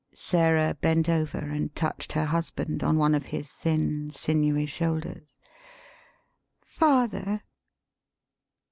Sarah bent over and touched her husband on one of his thin, sinewy shoulders. " Father!"